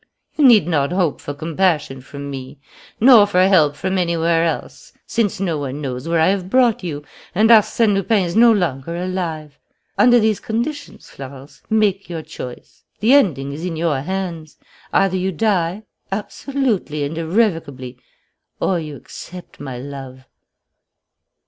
You need not hope for compassion from me, nor for help from anywhere else, since no one knows where I have brought you, and Arsène Lupin is no longer alive. Under these conditions, Florence, make your choice. The ending is in your own hands: either you die, absolutely and irrevocably, or you accept my love."